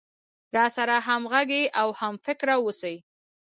راسره همغږى او هم فکره اوسي.